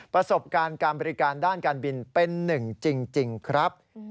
ประสบการณ์การบริการด้านการบินเป็นหนึ่งจริงครับ